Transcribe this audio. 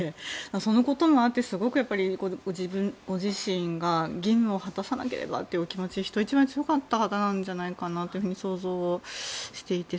そのこともあってすごくご自身が義務を果たさなければというお気持ちは人一倍強かった方なんじゃないかと想像していて。